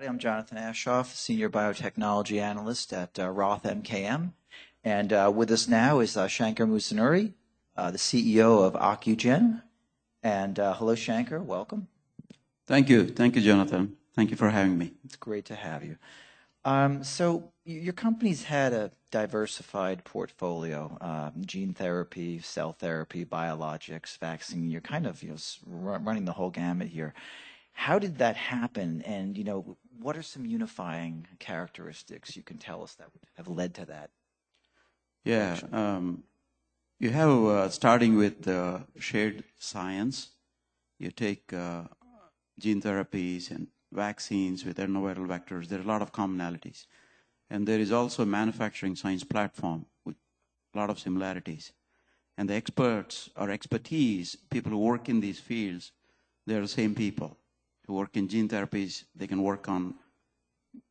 I'm Jonathan Aschoff, Senior Biotechnology Analyst at Roth MKM. With us now is Shankar Musunuri, the CEO of Ocugen. Hello, Shankar. Welcome. Thank you. Thank you, Jonathan. Thank you for having me. It's great to have you. Your company's had a diversified portfolio, gene therapy, cell therapy, biologics, vaccine. You're kind of, you know, running the whole gamut here. How did that happen? You know, what are some unifying characteristics you can tell us that have led to that? You have, starting with the shared science. You take gene therapies and vaccines with adenoviral vectors, there are a lot of commonalities. There is also a manufacturing science platform with a lot of similarities. The experts or expertise, people who work in these fields, they are the same people. Who work in gene therapies, they can work on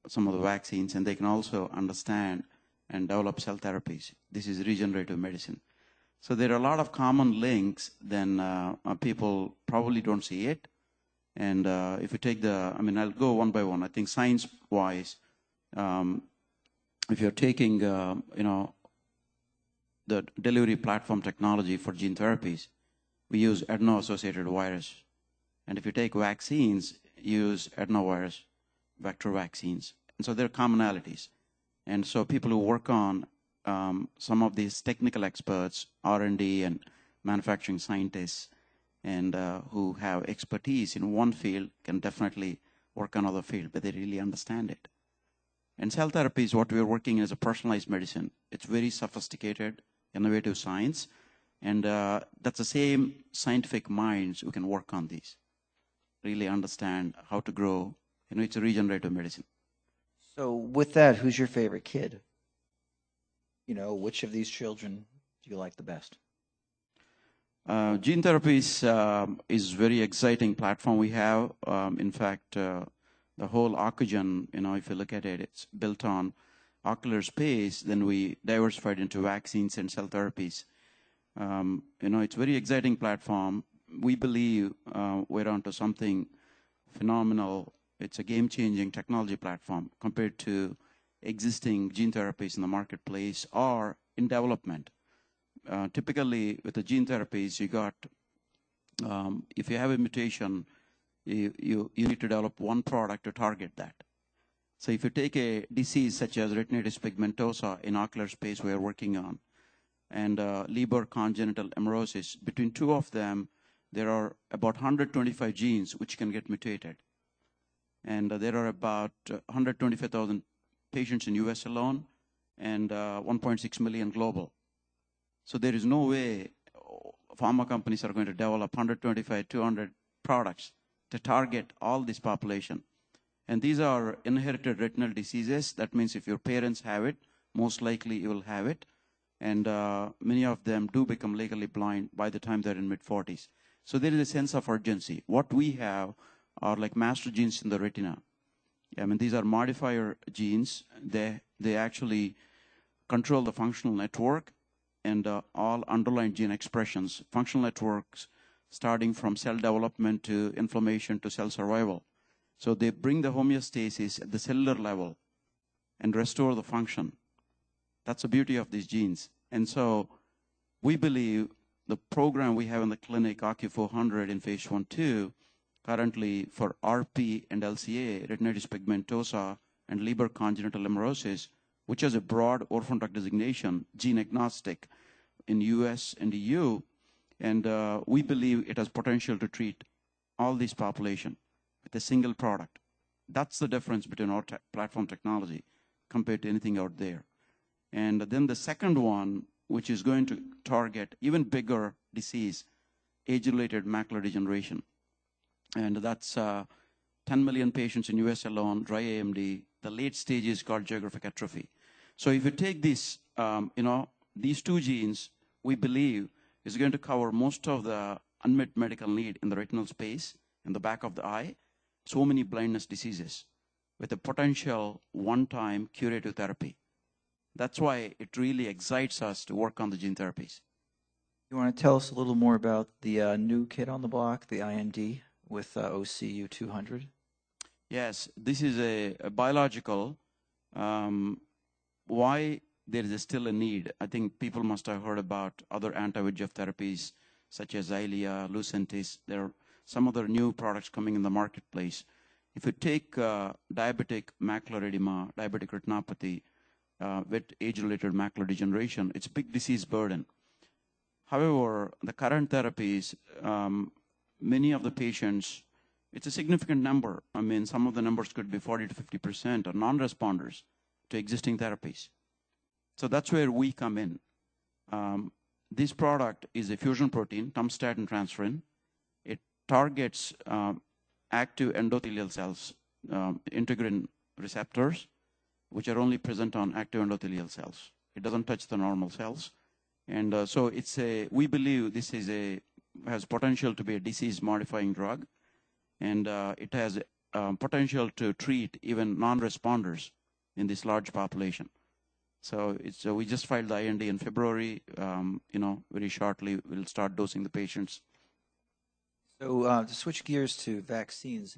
some of the vaccines, and they can also understand and develop cell therapies. This is regenerative medicine. There are a lot of common links than people probably don't see it. If you take, I mean, I'll go one by one. I think science-wise, if you're taking, you know, the delivery platform technology for gene therapies, we use adeno-associated virus. If you take vaccines, use adenovirus vector vaccines. There are commonalities. People who work on some of these technical experts, R&D, and manufacturing scientists who have expertise in one field can definitely work another field, but they really understand it. Cell therapy is what we are working as a personalized medicine. It's very sophisticated, innovative science, and that's the same scientific minds who can work on this. Really understand how to grow, you know, it's a regenerative medicine. With that, who's your favorite kid? You know, which of these children do you like the best? gene therapies is very exciting platform we have. In fact, the whole Ocugen, you know, if you look at it's built on ocular space, then we diversified into vaccines and cell therapies. You know, it's very exciting platform. We believe, we're onto something phenomenal. It's a game-changing technology platform compared to existing gene therapies in the marketplace or in development. Typically with the gene therapies you got, if you have a mutation, you need to develop one product to target that. If you take a disease such as retinitis pigmentosa in ocular space we are working on and Leber congenital amaurosis, between two of them, there are about 125 genes which can get mutated. There are about 125,000 patients in U.S. alone and 1.6 million global. There is no way pharma companies are going to develop 125, 200 products to target all this population. These are inherited retinal diseases. That means if your parents have it, most likely you will have it. Many of them do become legally blind by the time they're in mid-40s. There is a sense of urgency. What we have are like master genes in the retina. I mean, these are modifier genes. They actually control the functional network and all underlying gene expressions. Functional networks starting from cell development to inflammation to cell survival. They bring the homeostasis at the cellular level and restore the function. That's the beauty of these genes. We believe the program we have in the clinic, OCU400 in phase I, II, currently for RP and LCA, retinitis pigmentosa and Leber congenital amaurosis, which is a broad orphan drug designation, gene-agnostic in U.S. and E.U. We believe it has potential to treat all this population with a single product. That's the difference between our platform technology compared to anything out there. The second one, which is going to target even bigger disease, age-related macular degeneration. That's 10 million patients in U.S. alone, dry AMD. The late stage is called geographic atrophy. If you take this, you know, these two genes, we believe is going to cover most of the unmet medical need in the retinal space in the back of the eye, so many blindness diseases with a potential one-time curative therapy. That's why it really excites us to work on the gene therapies. You wanna tell us a little more about the new kid on the block, the IND with OCU200? Yes. This is a biological. Why there is still a need? I think people must have heard about other anti-VEGF therapies such as Eylea, Lucentis. There are some other new products coming in the marketplace. If you take diabetic macular edema, diabetic retinopathy, with age-related macular degeneration, it's a big disease burden. However, the current therapies, many of the patients, it's a significant number. I mean, some of the numbers could be 40%-50% are non-responders to existing therapies. That's where we come in. This product is a fusion protein, tumstatin-transferrin fusion protein. It targets active endothelial cells, integrin receptors, which are only present on active endothelial cells. It doesn't touch the normal cells. We believe this has potential to be a disease-modifying drug, and it has potential to treat even non-responders in this large population. We just filed the IND in February. You know, very shortly we'll start dosing the patients. To switch gears to vaccines,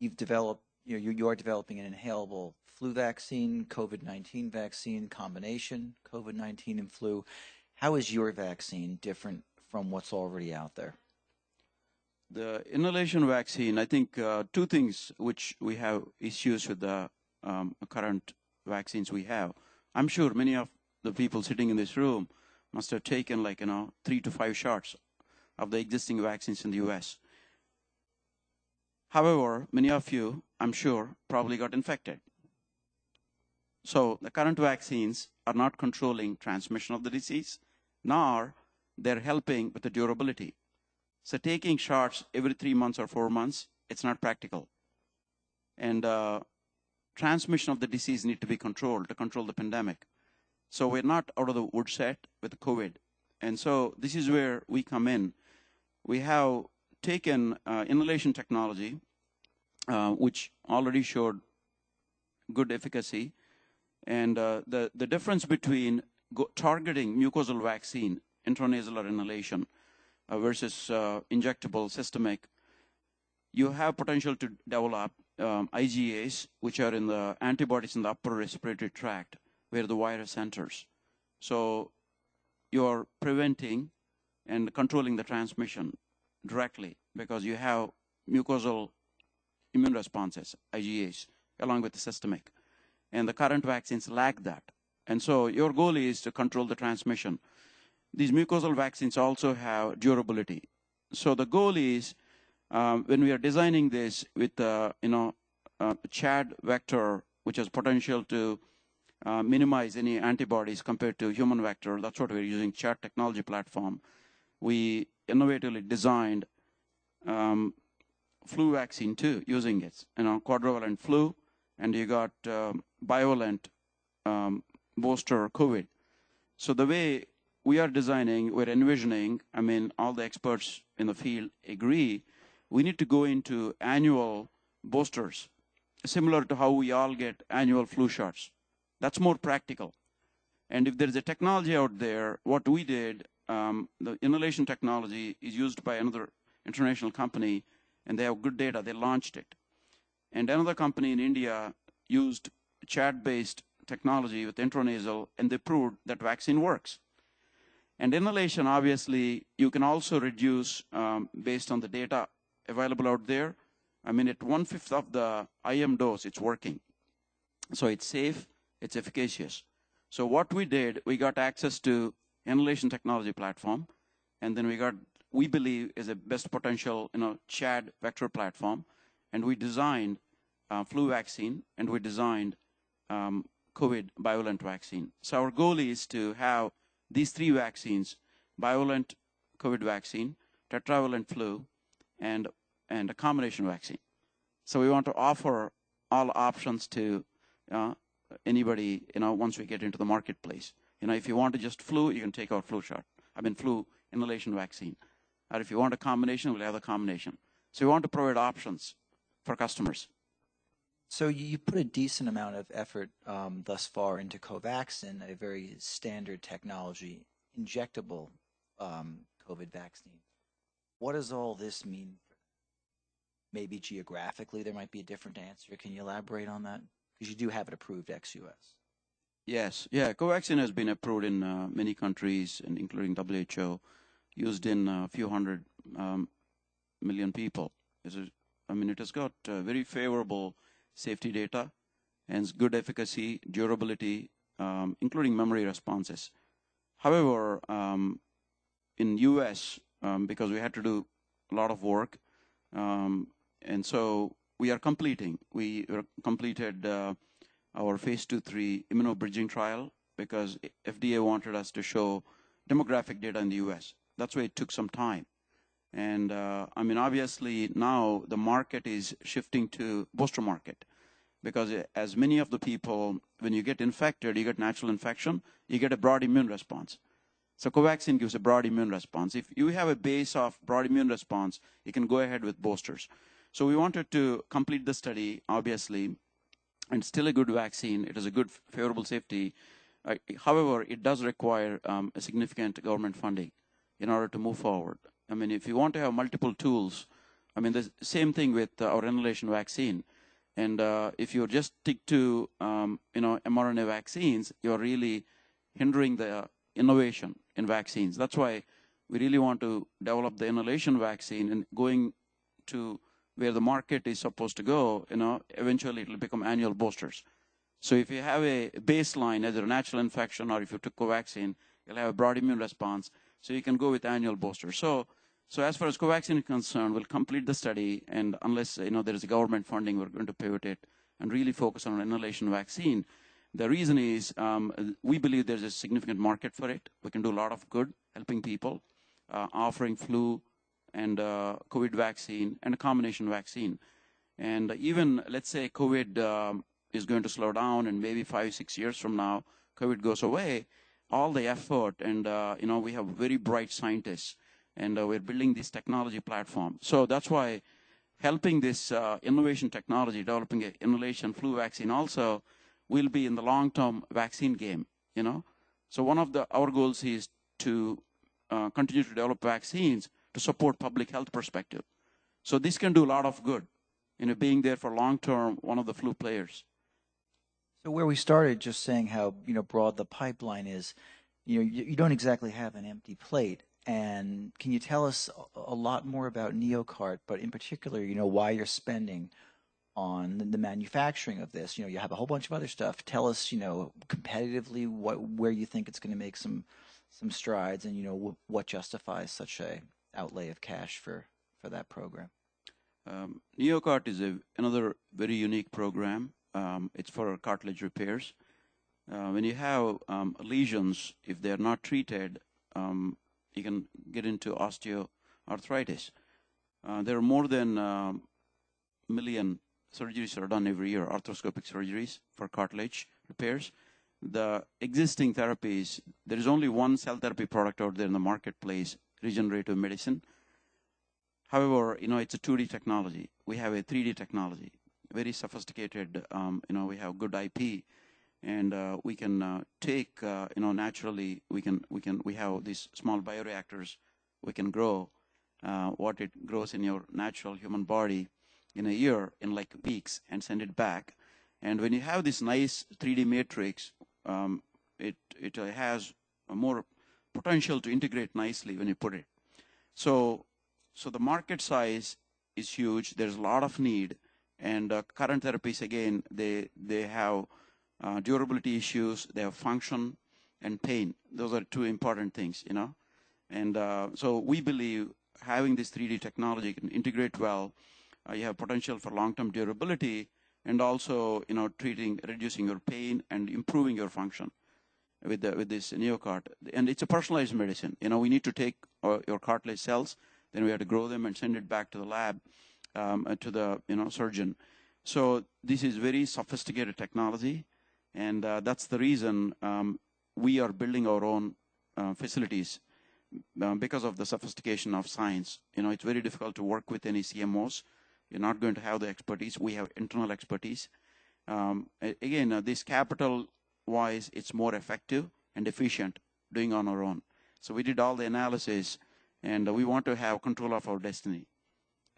You are developing an inhalable flu vaccine, COVID-19 vaccine combination, COVID-19 and flu. How is your vaccine different from what's already out there? The inhalation vaccine, I think, two things which we have issues with the current vaccines we have. I'm sure many of the people sitting in this room must have taken like, you know, three to five shots of the existing vaccines in the U.S. However, many of you, I'm sure, probably got infected. The current vaccines are not controlling transmission of the disease, nor they're helping with the durability. Taking shots every three months or four months, it's not practical. Transmission of the disease need to be controlled to control the pandemic. We're not out of the woods yet with COVID. This is where we come in. We have taken inhalation technology, which already showed good efficacy. The difference between targeting mucosal vaccine, intranasal or inhalation, versus injectable systemic, you have potential to develop IgA, which are in the antibodies in the upper respiratory tract where the virus enters. You're preventing and controlling the transmission directly because you have mucosal immune responses, IgA, along with the systemic. The current vaccines lack that. Your goal is to control the transmission. These mucosal vaccines also have durability. The goal is, when we are designing this with the, you know, ChAd vector, which has potential to minimize any antibodies compared to human vector, that's what we're using, ChAd technology platform. We innovatively designed flu vaccine too, using it in our quadrivalent flu, and you got bivalent booster COVID. The way we are designing, we're envisioning, I mean, all the experts in the field agree we need to go into annual boosters, similar to how we all get annual flu shots. That's more practical. If there is a technology out there, what we did, the inhalation technology is used by another international company, and they have good data. They launched it. Another company in India used ChAd-based technology with intranasal, and they proved that vaccine works. Inhalation, obviously, you can also reduce, based on the data available out there. I mean, at 1/5 of the IM dose, it's working. It's safe, it's efficacious. What we did, we got access to inhalation technology platform, and then we got, we believe, is the best potential in our ChAd Vector platform. We designed a flu vaccine, and we designed, COVID bivalent vaccine. Our goal is to have these three vaccines, bivalent COVID vaccine, tetravalent flu, and a combination vaccine. We want to offer all options to anybody, you know, once we get into the marketplace. You know, if you want to just flu, you can take our flu shot. I mean flu inhalation vaccine. If you want a combination, we'll have a combination. We want to provide options for customers. You put a decent amount of effort, thus far into COVAXIN, a very standard technology, injectable, COVID vaccine. What does all this mean? Maybe geographically, there might be a different answer. Can you elaborate on that? Because you do have it approved ex-U.S. Yes. Yeah. COVAXIN has been approved in many countries, including WHO, used in a few hundred million people. I mean, it has got a very favorable safety data and good efficacy, durability, including memory responses. However, in U.S., because we had to do a lot of work, and so we are completing. We completed our phase II, III immunobridging trial because FDA wanted us to show demographic data in the U.S. That's why it took some time. I mean, obviously now the market is shifting to booster market because as many of the people, when you get infected, you get natural infection, you get a broad immune response. COVAXIN gives a broad immune response. If you have a base of broad immune response, you can go ahead with boosters. We wanted to complete the study, obviously, and still a good vaccine. It is a good favorable safety. However, it does require a significant government funding in order to move forward. I mean, if you want to have multiple tools... I mean, the same thing with our inhalation vaccine. If you just stick to, you know, mRNA vaccines, you're really hindering the innovation in vaccines. That's why we really want to develop the inhalation vaccine and going to where the market is supposed to go, you know. Eventually, it'll become annual boosters. If you have a baseline as a natural infection or if you took COVAXIN, you'll have a broad immune response, so you can go with annual booster. As far as COVAXIN is concerned, we'll complete the study, and unless, you know, there is government funding, we're going to pivot it and really focus on inhalation vaccine. The reason is, we believe there's a significant market for it. We can do a lot of good helping people, offering flu and COVID vaccine and a combination vaccine. Even let's say COVID is going to slow down and maybe five, six years from now, COVID goes away, all the effort and, you know, we have very bright scientists, and we're building this technology platform. That's why helping this innovation technology, developing a inhalation flu vaccine also will be in the long-term vaccine game, you know. One of our goals is to continue to develop vaccines to support public health perspective. This can do a lot of good, you know, being there for long-term, one of the flu players. where we started just saying how, you know, broad the pipeline is. You know, you don't exactly have an empty plate. can you tell us a lot more about NeoCart, but in particular, you know, why you're spending on the manufacturing of this? You know, you have a whole bunch of other stuff. Tell us, you know, competitively, where you think it's gonna make some strides and, you know, what justifies such a outlay of cash for that program? NeoCart is another very unique program. It's for cartilage repairs. When you have lesions, if they're not treated, you can get into osteoarthritis. There are more than 1 million surgeries that are done every year, arthroscopic surgeries for cartilage repairs. The existing therapies, there is only one cell therapy product out there in the marketplace, regenerative medicine. However, you know, it's a two-day technology. We have a three-day technology, very sophisticated. You know, we have good IP, and we can take, you know, naturally we can, we have these small bioreactors. We can grow what it grows in your natural human body in a year, in like weeks, and send it back. When you have this nice three-day matrix, it has a more potential to integrate nicely when you put it. The market size is huge. There's a lot of need. Current therapies, again, they have durability issues, they have function and pain. Those are two important things, you know. We believe having this three-day technology can integrate well. You have potential for long-term durability and also, you know, reducing your pain and improving your function with this NeoCart. It's a personalized medicine. You know, we need to take your cartilage cells, then we have to grow them and send it back to the lab, to the, you know, surgeon. This is very sophisticated technology, that's the reason we are building our own facilities because of the sophistication of science. You know, it's very difficult to work with any CMOs. You're not going to have the expertise. We have internal expertise. Again, this capital-wise, it's more effective and efficient doing on our own. We did all the analysis, and we want to have control of our destiny,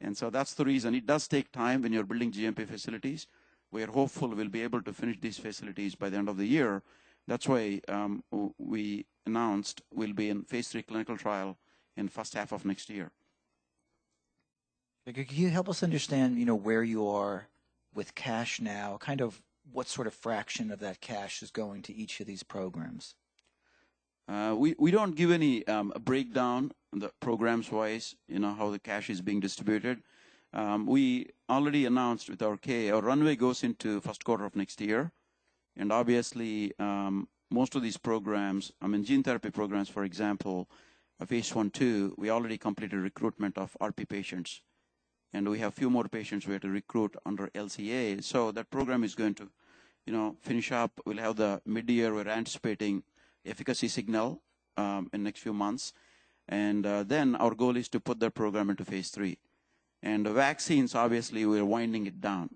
and so that's the reason. It does take time when you're building GMP facilities. We're hopeful we'll be able to finish these facilities by the end of the year. That's why, we announced we'll be in phase III clinical trial in first half of next year. Can you help us understand, you know, where you are with cash now? Kind of what sort of fraction of that cash is going to each of these programs? We don't give any breakdown the programs-wise, you know, how the cash is being distributed. We already announced with our K, our runway goes into first quarter of next year. Obviously, most of these programs, I mean, gene therapy programs, for example, are phase I, II. We already completed recruitment of RP patients, and we have few more patients we have to recruit under LCA. That program is going to, you know, finish up. We'll have the midyear. We're anticipating efficacy signal in next few months. Our goal is to put that program into phase III. Vaccines, obviously, we're winding it down,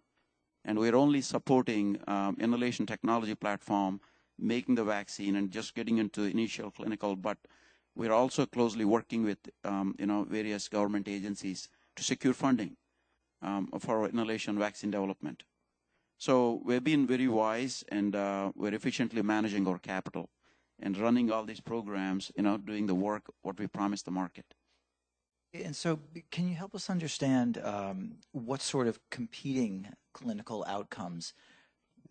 and we're only supporting inhalation technology platform, making the vaccine and just getting into initial clinical. We're also closely working with, you know, various government agencies to secure funding, for our inhalation vaccine development. We're being very wise, and we're efficiently managing our capital and running all these programs, you know, doing the work, what we promised the market. Can you help us understand what sort of competing clinical outcomes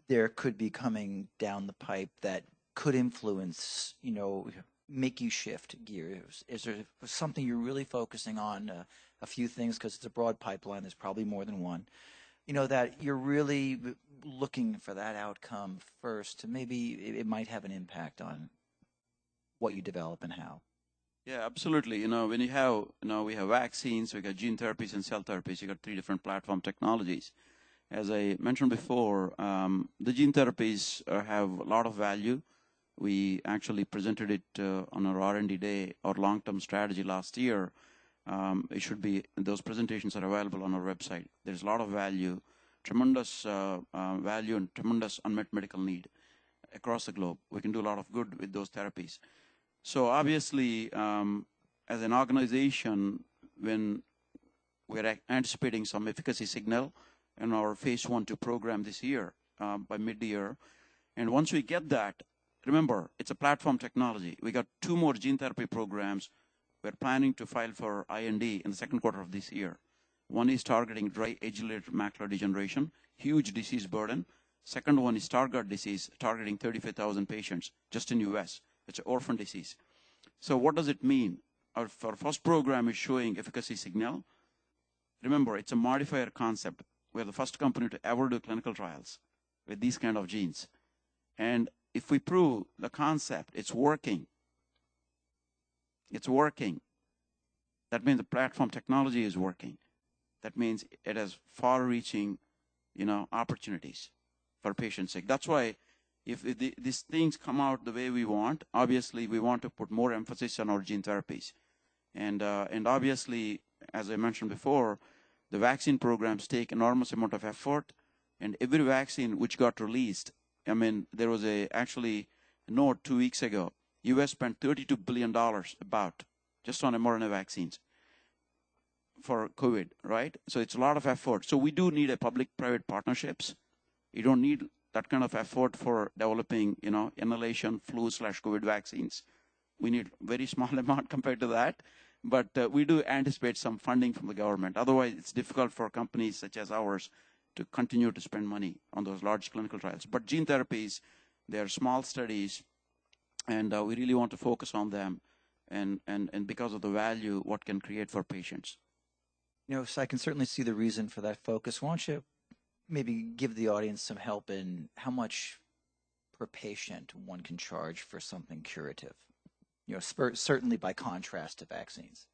there could be coming down the pipe that could influence, you know, make you shift gears? Is there something you're really focusing on, a few things, 'cause it's a broad pipeline, there's probably more than one, you know, that you're really looking for that outcome first? Maybe it might have an impact on what you develop and how. Yeah, absolutely. You know, when you have... You know, we have vaccines, we got gene therapies and cell therapies. You got three different platform technologies. As I mentioned before, the gene therapies have a lot of value. We actually presented it on our R&D Day, our long-term strategy last year. Those presentations are available on our website. There's a lot of value. Tremendous value and tremendous unmet medical need across the globe. We can do a lot of good with those therapies. Obviously, as an organization, when we're anticipating some efficacy signal in our phase I,II program this year, by midyear. Once we get that, remember, it's a platform technology. We got two more gene therapy programs we're planning to file for IND in the second quarter of this year. One is targeting dry age-related macular degeneration. Huge disease burden. Second one is Stargardt disease, targeting 35,000 patients just in U.S. It's orphan disease. What does it mean? For our first program is showing efficacy signal. Remember, it's a modifier concept. We're the first company to ever do clinical trials with these kind of genes. If we prove the concept, it's working. It's working. That means the platform technology is working. That means it has far-reaching, you know, opportunities for patients. That's why if these things come out the way we want, obviously, we want to put more emphasis on our gene therapies. Obviously, as I mentioned before, the vaccine programs take enormous amount of effort and every vaccine which got released, I mean, actually not two weeks ago, U.S. spent $32 billion about just on mRNA vaccines for COVID, right? It's a lot of effort. We do need a public-private partnerships. You don't need that kind of effort for developing, you know, inhalation flu/COVID vaccines. We need very small amount compared to that. We do anticipate some funding from the government. Otherwise, it's difficult for companies such as ours to continue to spend money on those large clinical trials. gene therapies, they are small studies, and we really want to focus on them and because of the value, what can create for patients. You know, I can certainly see the reason for that focus. Why don't you maybe give the audience some help in how much per patient one can charge for something curative? You know, certainly by contrast to vaccines.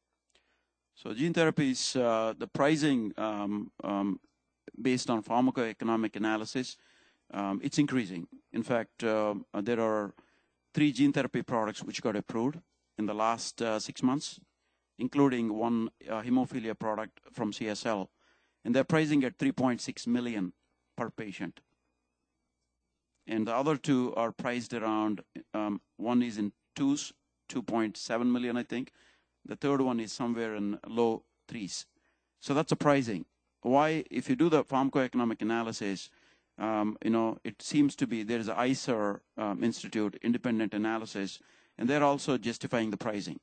Gene therapies, the pricing, based on pharmacoeconomic analysis, it's increasing. In fact, there are three gene therapy products which got approved in the last months, including one hemophilia product from CSL, and they're pricing at $3.6 million per patient. The other two are priced around, one is in $2 million, $2.7 million, I think. The third one is somewhere in low $3 million. That's the pricing. Why? If you do the pharmacoeconomic analysis, you know, it seems to be there is ICER, Institute independent analysis, and they're also justifying the pricing.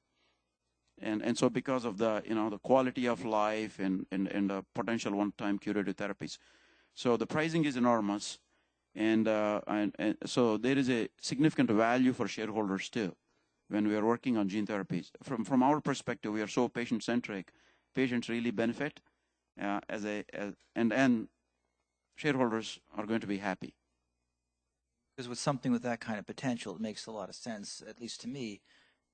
Because of the, you know, the quality of life and the potential one-time curative therapies. The pricing is enormous and so there is a significant value for shareholders too when we are working on gene therapies. From our perspective, we are so patient-centric, patients really benefit. Shareholders are going to be happy. 'Cause with something with that kind of potential, it makes a lot of sense, at least to me,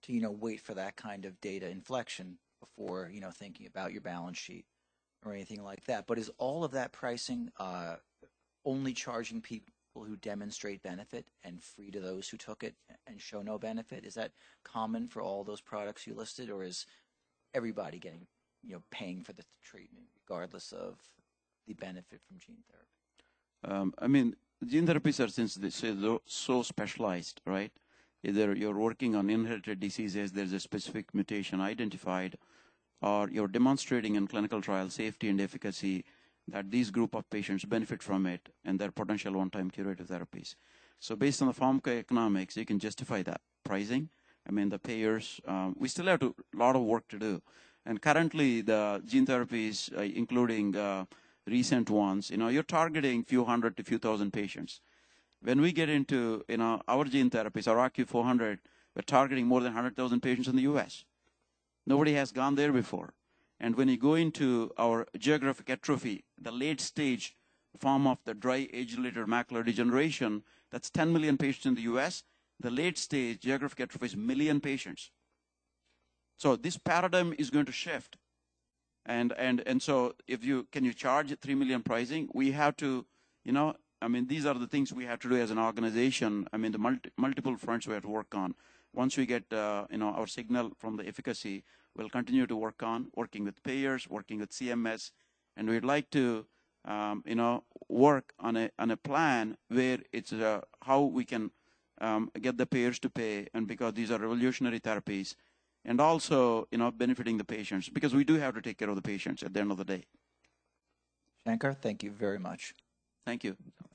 to, you know, wait for that kind of data inflection before, you know, thinking about your balance sheet or anything like that. Is all of that pricing, only charging people who demonstrate benefit and free to those who took it and show no benefit? Is that common for all those products you listed, or is everybody getting, you know, paying for the treatment regardless of the benefit from gene therapy? I mean, gene therapies are, since they say, so specialized, right? Either you're working on inherited diseases, there's a specific mutation identified, or you're demonstrating in clinical trial safety and efficacy that these group of patients benefit from it and their potential one-time curative therapies. Based on the pharmacoeconomics, you can justify that pricing. I mean, the payers, we still have a lot of work to do. Currently, the gene therapies, including recent ones, you know, you're targeting few hundred to few thousand patients. When we get into, you know, our gene therapies, our OCU400, we're targeting more than 100,000 patients in the U.S. Nobody has gone there before. When you go into our geographic atrophy, the late stage form of the dry age-related macular degeneration, that's 10 million patients in the U.S. The late stage geographic atrophy is 1 million patients. This paradigm is going to shift. Can you charge $3 million pricing? We have to, you know. I mean, these are the things we have to do as an organization. I mean, the multiple fronts we have to work on. Once we get, you know, our signal from the efficacy, we'll continue to work on working with payers, working with CMS, and we'd like to, you know, work on a, on a plan where it's how we can get the payers to pay and because these are revolutionary therapies, and also, you know, benefiting the patients, because we do have to take care of the patients at the end of the day. Shankar, thank you very much. Thank you. Bye.